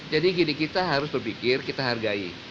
jadi gini kita harus berpikir kita hargai